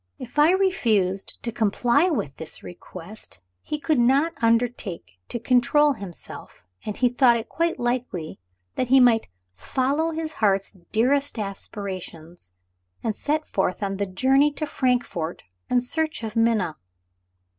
If I refused to comply with this request, he could not undertake to control himself, and he thought it quite likely that he might "follow his heart's dearest aspirations," and set forth on the journey to Frankfort in search of Minna.